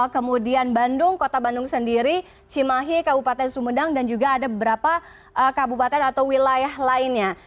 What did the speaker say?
kemudian bandung kota bandung sendiri cimahi kabupaten sumedang dan juga ada beberapa kabupaten atau wilayah lainnya